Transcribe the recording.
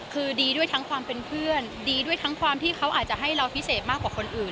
คือดีด้วยทั้งความเป็นเพื่อนดีด้วยทั้งความที่เขาอาจจะให้เราพิเศษมากกว่าคนอื่น